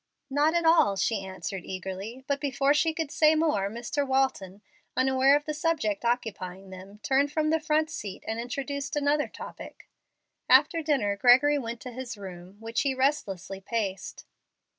"Not at all," she answered, eagerly; but before she could say more, Mr. Walton, unaware of the subject occupying them, turned from the front seat and introduced another topic. After dinner, Gregory went to his room, which he restlessly paced.